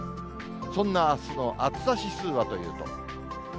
そんなあすの暑さ指数はというと。